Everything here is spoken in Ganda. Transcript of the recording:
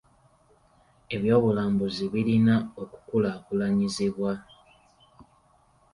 Ebyobulambuzi birina okukulaakulanyizibwa.